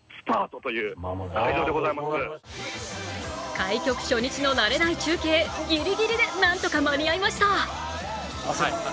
開局初日の慣れない中継、ぎりぎりで何とか間に合いました。